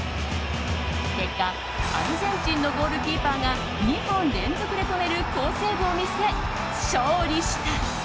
結果、アルゼンチンのゴールキーパーが２本連続で止める好セーブを見せ勝利した。